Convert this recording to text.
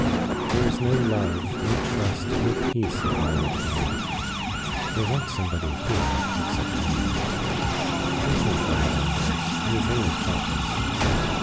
"There is no love, no trust, no peace, at Morwick Farm. They want somebody here, except Ambrose. Don't think ill of Ambrose; he is only thoughtless.